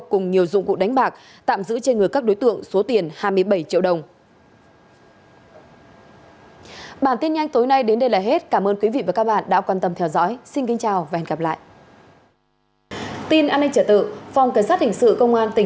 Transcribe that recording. cùng nhiều dụng cụ đánh bạc tạm giữ trên người các đối tượng số tiền hai mươi bảy triệu đồng